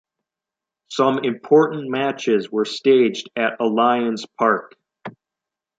Some important matches were staged at Allianz Parque.